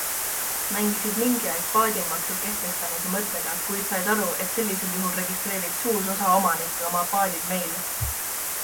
Mängisid mingi aeg paadimaksu kehtestamise mõttega, kuid said aru, et sellisel juhul registreerib suur osa omanikke oma paadid meil.